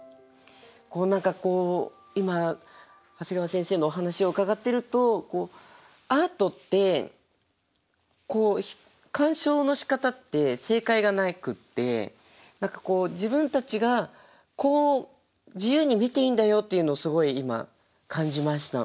何かこう今長谷川先生のお話を伺ってるとアートって鑑賞のしかたって正解がなくって何かこう自分たちが自由に見ていいんだよっていうのをすごい今感じました。